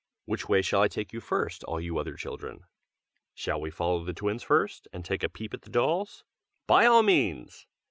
Which way shall I take you first, all you other children? shall we follow the twins first, and take a peep at the dolls? by all means!